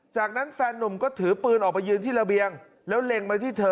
จากนั้นแฟนนุ่มก็ถือปืนออกไปยืนที่ระเบียงแล้วเล็งมาที่เธอ